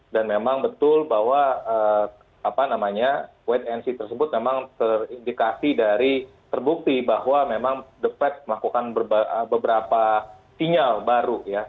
dan memang betul bahwa wait and see tersebut memang terindikasi dari terbukti bahwa memang the fed melakukan beberapa sinyal baru ya